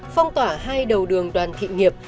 phong tỏa hai đầu đường đoàn thị nghiệp